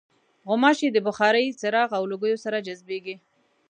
غوماشې د بخارۍ، څراغ او لوګیو سره جذبېږي.